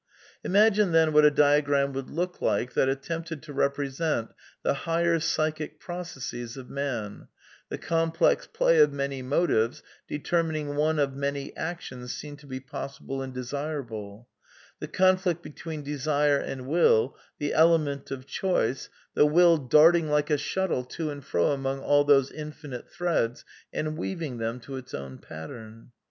Imagine then what a diagram would look like that at tempted to represent the higher psychic processes of man, the complex play of many motives, determining one of many actions seen to be possible and desirable; the con flict between desire and will ; the element of choice — the will darting like a shuttle to and fro among all those in finite threads and weaving them to its own pattern.